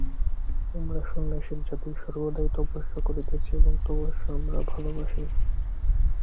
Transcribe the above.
আমরা সন্ন্যাসীর জাতি, সর্বদাই তপস্যা করিতেছি এবং তপস্যা আমরা ভালবাসি।